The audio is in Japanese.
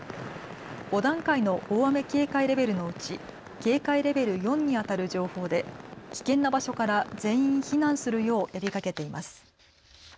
５段階の大雨警戒レベルのうち警戒レベル４にあたる情報で危険な場所から全員避難するよう呼びかけています。